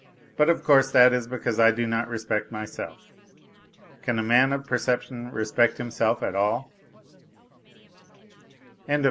But of course that is because I do not respect myself. Can a man of perception respect himself at all ?